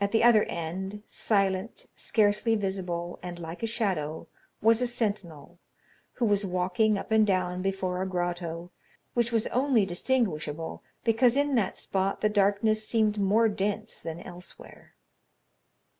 At the other end, silent, scarcely visible, and like a shadow, was a sentinel, who was walking up and down before a grotto, which was only distinguishable because in that spot the darkness seemed more dense than elsewhere.